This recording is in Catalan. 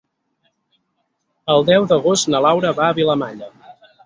El deu d'agost na Laura va a Vilamalla.